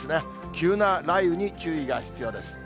急な雷雨に注意が必要です。